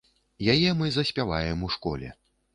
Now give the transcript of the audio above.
Яе мы заспяваем у школе.